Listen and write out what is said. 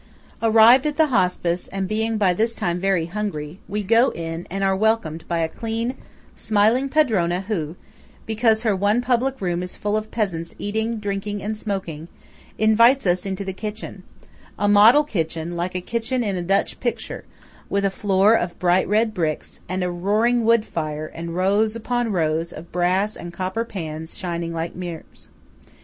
Arrived at the Hospice, and being, by this time very hungry, we go in, and are welcomed by a clean, smiling padrona who (because her one public room is full of peasants eating, drinking and smoking) invites us into the kitchen–a model kitchen, like a kitchen in a Dutch picture, with a floor of bright red bricks, and a roaring wood fire and rows upon rows of brass and copper pans shining like mirrors.